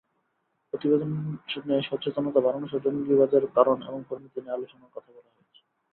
প্রতিবেদনে সচেতনতা বাড়ানোসহ জঙ্গিবাদের কারণ এবং পরিণতি নিয়ে আলোচনার কথা বলা হয়েছে।